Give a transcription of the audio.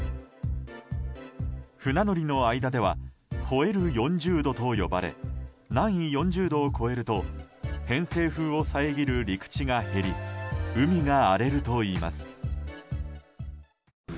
船乗りの間ではほえる４０度と呼ばれ南緯４０度を超えると偏西風を遮る陸地が減り海が荒れるといいます。